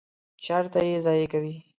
چیرته ییضایع کوی؟